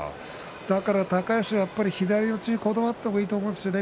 だから高安はやっぱり左四つにこだわった方がいいと思いますね。